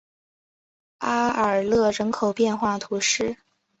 阿尔勒人口变化图示